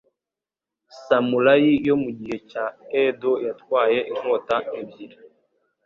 Samurai yo mu gihe cya Edo yatwaye inkota ebyiri